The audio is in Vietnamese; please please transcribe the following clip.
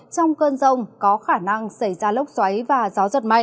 trong cơn rông có khả năng xảy ra lốc xoáy và gió giật mạnh